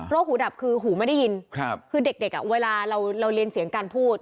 หูดับคือหูไม่ได้ยินคือเด็กเวลาเราเรียนเสียงการพูด